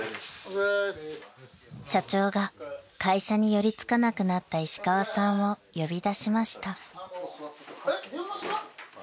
［社長が会社に寄りつかなくなった石川さんを呼び出しました］